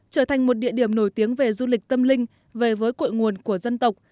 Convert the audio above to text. trở thành một địa điểm nổi tiếng về du lịch tâm linh về với cội nguồn của dân tộc